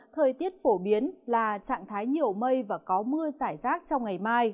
thời tiết phổ biến là trạng thái nhiều mây và có mưa giải rác trong ngày mai